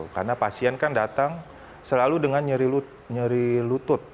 karena pasien kan datang selalu dengan nyeri lutut